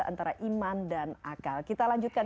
antara iman dan akal kita lanjutkan